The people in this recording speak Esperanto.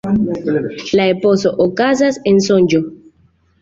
La eposo okazas en sonĝo.